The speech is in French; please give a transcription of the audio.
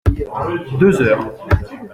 Deux heures.